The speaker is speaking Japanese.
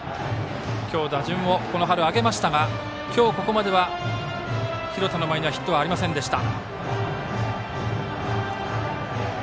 打順をこの春、上げましたが今日ここまでは廣田の前にヒットはありませんでした。